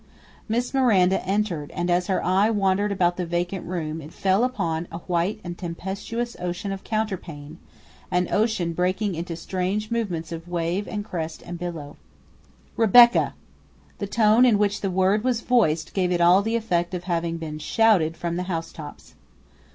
Miss Miranda entered, and as her eye wandered about the vacant room, it fell upon a white and tempestuous ocean of counterpane, an ocean breaking into strange movements of wave and crest and billow. "REBECCA!" The tone in which the word was voiced gave it all the effect of having been shouted from the housetops.